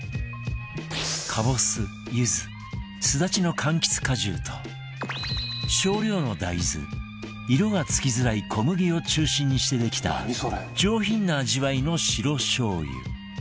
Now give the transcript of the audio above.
かぼすゆずすだちの柑橘果汁と少量の大豆色が付きづらい小麦を中心にしてできた上品な味わいの白しょう油